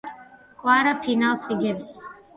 კვარა ფინალს იგებს